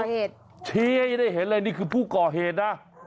ชี้ให้ได้เห็นเลยนี่คือผู้ก่อเหตุนะ